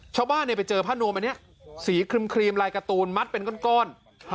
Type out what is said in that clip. ชาวบ้านไปเจอผ้านวมอันนี้สีครีมลายการ์ตูนมัดเป็นก้อน